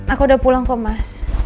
aku udah pulang ke mas